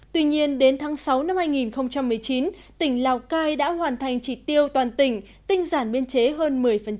tuy nhiên đến tháng sáu năm hai nghìn một mươi chín tỉnh lào cai đã hoàn thành trị tiêu toàn tỉnh tinh giản biên chế hơn một mươi